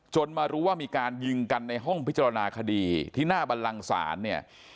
มารู้ว่ามีการยิงกันในห้องพิจารณาคดีที่หน้าบันลังศาลเนี่ย